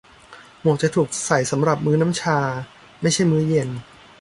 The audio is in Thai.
หมวกจะถูกใส่สำหรับมื้อน้ำชา ไม่ใช่มื้อเย็น